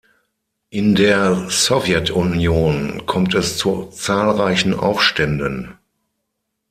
In der Sowjetunion kommt es zu zahlreichen Aufständen.